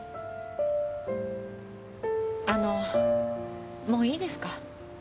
あのもういいですか。